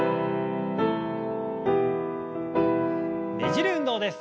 ねじる運動です。